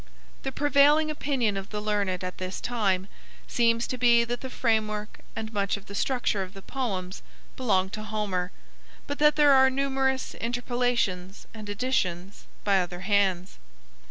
The prevailing opinion of the learned, at this time, seems to be that the framework and much of the structure of the poems belong to Homer, but that there are numerous interpolations and additions by other hands.